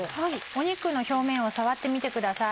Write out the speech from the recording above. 肉の表面を触ってみてください。